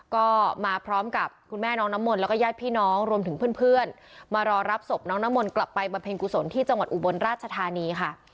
ก็มาพร้อมกับคุณแม่น้องน้ำมนต์แล้วก็ญาติพี่น้องรวมถึงเพื่อนมารอรับศพน้องน้ำมนต์กลับไปบำเพ็ญกุศลที่จังหวัดอุบลราชธานีค่ะ